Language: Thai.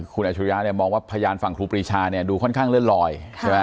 คุณอาชิริยะเนี่ยมองว่าพยานฝั่งครูปรีชาเนี่ยดูค่อนข้างเลื่อนลอยใช่ไหม